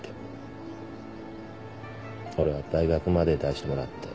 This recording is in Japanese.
俺は大学まで出してもらって。